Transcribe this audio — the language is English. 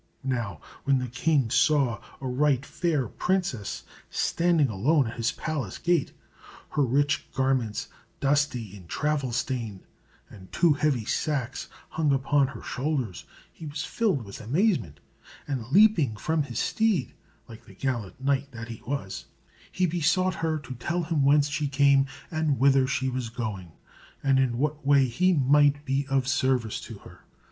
Now when the king saw a right fair princess standing alone at his palace gate, her rich garments dusty and travel stained, and two heavy sacks hung upon her shoulders, he was filled with amazement; and leaping from his steed, like the gallant knight that he was, he besought her to tell him whence she came and whither she was going, and in what way he might be of service to her.